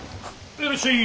いらっしゃい。